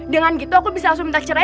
dengan gitu aku bisa langsung minta cerai